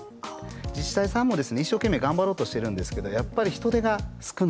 自治体さんもですね一生懸命頑張ろうとしてるんですけどやっぱり人手が少ない。